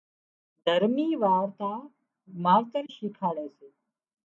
دهرمي وارتا ماوتر شيکاڙي سي